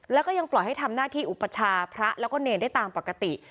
แล้วก็ยังปล่อยให้ทำหน้าที่อุปชาพระแล้วก็เนรได้ตามปกติ